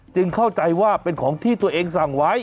เข้าใจว่าเป็นของที่ตัวเองสั่งไว้